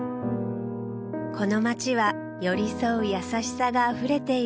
この街は寄り添う優しさがあふれている